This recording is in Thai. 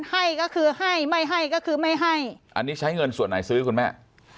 ให้ก็คือให้ไม่ให้ก็คือไม่ให้อันนี้ใช้เงินส่วนไหนซื้อคุณแม่